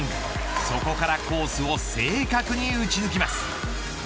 そこからコースを正確に打ち抜きます。